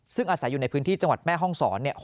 ซึ่งอาศัยอยู่ในพื้นที่จังหวัดแม่ห้องศร